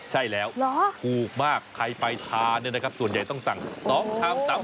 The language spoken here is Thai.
ใช่แล้วถูกมากใครไปทานเนี่ยนะครับส่วนใหญ่ต้องสั่ง๒ชาม๓